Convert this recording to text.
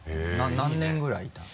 何年ぐらいいたの？